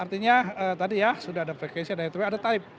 artinya tadi ya sudah ada bekasinya ada tarif